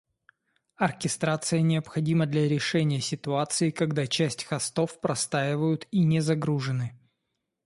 Оркестрация необходима для решения ситуации, когда часть хостов простаивают и не загружены